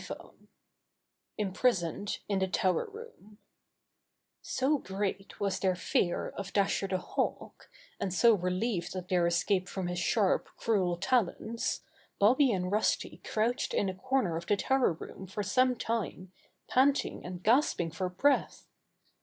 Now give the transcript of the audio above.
STORY II Imprisoned in the Tower Room So great was their fear of Dasher the Hawk, and so relieved at their escape from his sharp, cruel talons, Bobby and Rusty crouched in a corner of the tower room for some time, panting and gasping for breath.